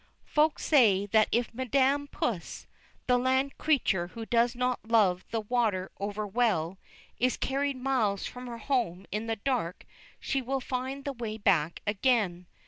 Folks say that if Madame Puss, that land creature who does not love the water overwell, is carried miles from her home in the dark, she will find the way back again.